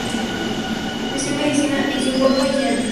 Estudió medicina en Wurzburgo y Jena.